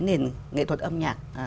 nền nghệ thuật âm nhạc